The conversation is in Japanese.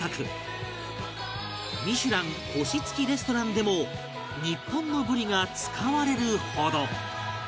『ミシュラン』星付きレストランでも日本のブリが使われるほど